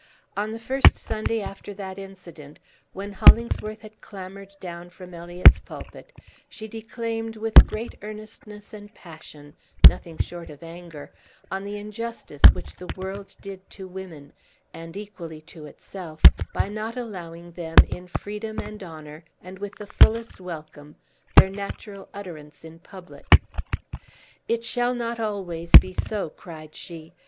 On the first Sunday after that incident, when Hollingsworth had clambered down from Eliot's pulpit, she declaimed with great earnestness and passion, nothing short of anger, on the injustice which the world did to women, and equally to itself, by not allowing them, in freedom and honor, and with the fullest welcome, their natural utterance in public. "It shall not always be so!" cried she.